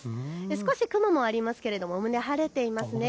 少し雲もありますが、おおむね晴れていますね。